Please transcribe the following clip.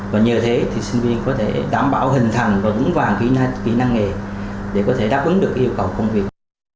và nhờ thế thì sinh viên có thể đảm bảo hình thành và đúng vàng kỹ năng nghề để có thể đáp ứng được yêu cầu công việc